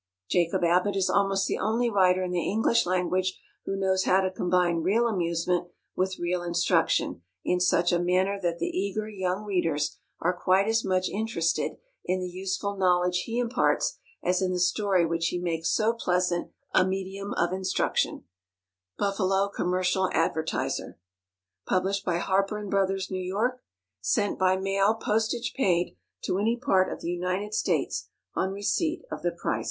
_ Jacob Abbott is almost the only writer in the English language who knows how to combine real amusement with real instruction in such a manner that the eager young readers are quite as much interested in the useful knowledge he imparts as in the story which he makes so pleasant a medium of instruction Buffalo Commercial Advertiser. Published by HARPER & BROTHERS, New York. _Sent by mail, postage prepaid, to any part of the United States, on receipt of the price.